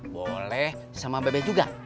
boleh sama bebe juga